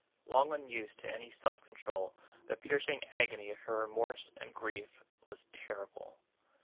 Long unused to any self control, the piercing agony of her remorse and grief was terrible.